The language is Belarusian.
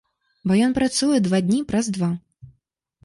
Бо ён працуе два дні праз два.